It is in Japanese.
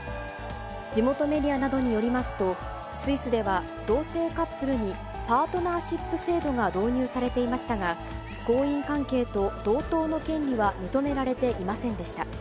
地元メディアなどによりますと、スイスでは同性カップルにパートナーシップ制度が導入されていましたが、婚姻関係と同等の権利は認められていませんでした。